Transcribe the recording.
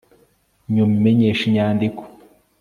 nyuma imenyesha inyandiko